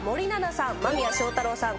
間宮祥太朗さん。